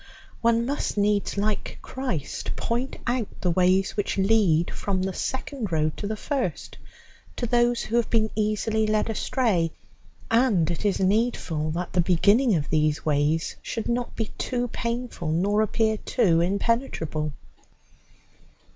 One must needs, like Christ, point out the ways which lead from the second road to the first, to those who have been easily led astray; and it is needful that the beginning of these ways should not be too painful nor appear too impenetrable.